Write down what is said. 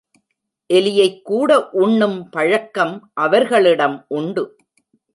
எலியைக் கூட உண்ணும் பழக்கம் அவர்களிடம் உண்டு.